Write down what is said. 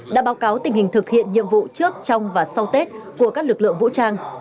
đã báo cáo tình hình thực hiện nhiệm vụ trước trong và sau tết của các lực lượng vũ trang